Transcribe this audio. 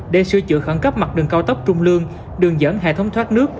để sửa chữa khẩn cấp mặt đường cao tốc trung lương đường dẫn hệ thống thoát nước